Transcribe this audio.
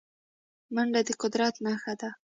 منډه د قدرت نښه ده